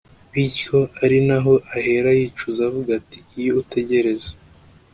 bityo arinaho ahera yicuza avuga ati “iyo utegereza”